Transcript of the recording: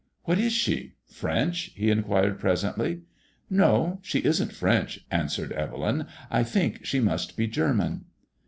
•• What is she ? French ?" he inquired, presently. " No, she isn't French," answered Evel3m. I think she must be German."